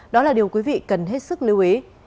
đó là điều quý vị cần hết sức lưu ý